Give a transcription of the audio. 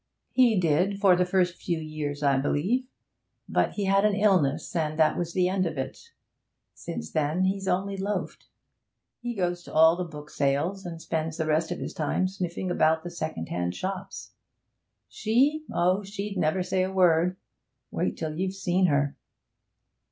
'He did for the first few years, I believe, but he had an illness, and that was the end of it. Since then he's only loafed. He goes to all the book sales, and spends the rest of his time sniffing about the second hand shops. She? Oh, she'd never say a word! Wait till you've seen her.'